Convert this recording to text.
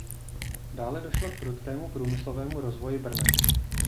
Dále došlo k prudkému průmyslovému rozvoji Brna.